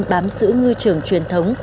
bám sữ ngư trường truyền thống